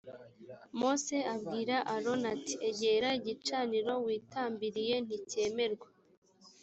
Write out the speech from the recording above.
mose abwira aroni ati egera igicaniro witambiriye nticyemerwa